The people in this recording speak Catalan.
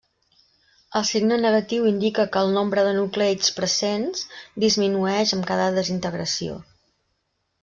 El signe negatiu indica que el nombre de nucleids pressents disminueix amb cada desintegració.